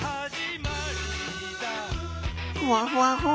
ふわふわふわ。